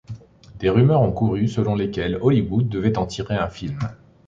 Des rumeurs ont couru selon lesquelles Hollywood devait en tirer un film.